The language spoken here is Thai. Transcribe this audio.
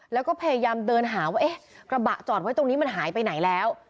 แล้วก็พยายามเดินหาว่าเอ๊ะกระบะจอดไว้ตรงนี้มันหายไปไหนแล้ว